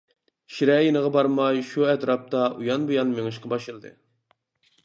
شىرە يېنىغا بارماي شۇ ئەتراپتا ئۇيان-بۇيان مېڭىشقا باشلىدى.